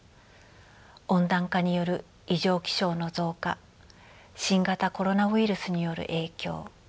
温暖化による異常気象の増加新型コロナウイルスによる影響